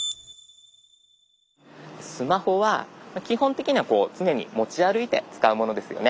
スマホは基本的にはこう常に持ち歩いて使うものですよね。